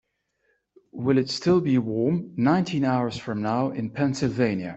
Will it still be warm nineteen hours from now in Pennsylvania